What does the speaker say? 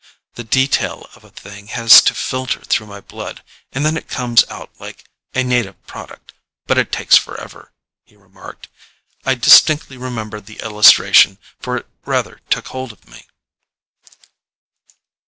"The detail of a thing has to filter through my blood, and then it comes out like a native product, but it takes forever," he remarked. I distinctly remember the illustration, for it rather took hold of me.